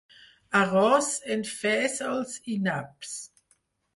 Arròs en fesols i naps.